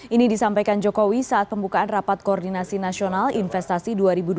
ini disampaikan jokowi saat pembukaan rapat koordinasi nasional investasi dua ribu dua puluh